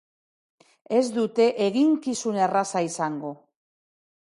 Ez dute eginkizun erraza izango.